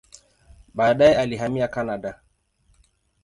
Baadaye alihamia Kanada.